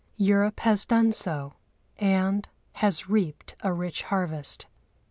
Europe has done so and has reaped a rich harvest.